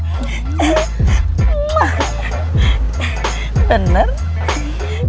gimana kalau kita minta kerjaan sama kang mus aja